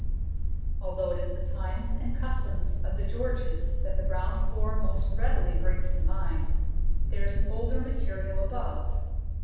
Although it is the times and customs of the Georges that the ground floor most readily brings to mind, there is older material above.